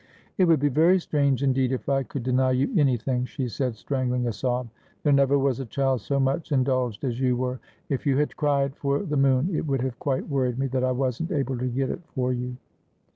' It would be very strange, indeed, if I could deny you any thing,' she said, strangling a sob. ' There never was a child so much indulged as you were. If you had cried for the moon, it would have quite worried me that I wasn't able to get it for you.'